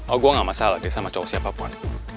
oh gua gak masalah deh sama cowok siapapun